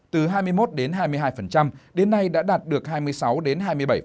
từ hai mươi một đến hai mươi hai đến nay đã đạt được hai mươi sáu đến hai mươi bảy